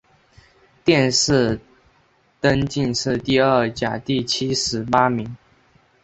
殿试登进士第二甲第七十八名。